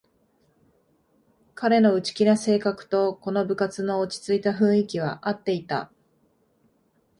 彼の内気な性格とこの部活の落ちついた雰囲気はあっていた